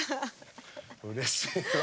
うれしいわ。